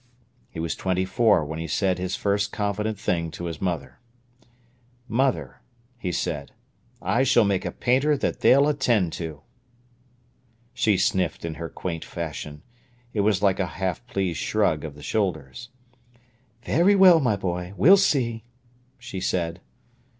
He was twenty four when he said his first confident thing to his mother. "Mother," he said, "I s'll make a painter that they'll attend to." She sniffed in her quaint fashion. It was like a half pleased shrug of the shoulders. "Very well, my boy, we'll see," she said.